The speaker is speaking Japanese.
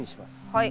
はい。